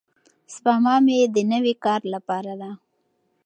سپما مې د نوي کار لپاره ده.